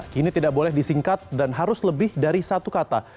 kini tidak boleh disingkat dan harus lebih dari satu kata